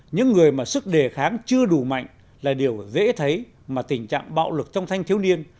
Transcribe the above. những người mà sức đề kháng chưa đủ mạnh là điều dễ thấy mà tình trạng bạo lực trong thanh thiếu niên